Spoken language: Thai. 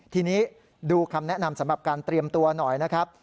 ทีนี้ดูคำแนะนำสำหรับการเตรียมตัวหน่อยนะครับ